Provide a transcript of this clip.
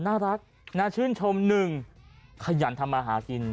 น่ารักน่าชื่นชมหนึ่งขยันทำมาหากิน